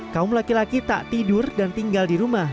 kaum laki laki tak tidur dan tinggal di rumah